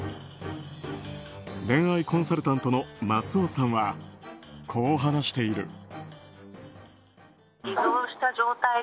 恋愛コンサルタントの松尾さんはこう話している。